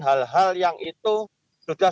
hal hal yang itu sudah